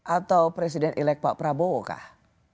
atau presiden elek pak prabowo kah